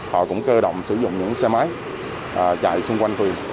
họ cũng cơ động sử dụng những xe máy chạy xung quanh phường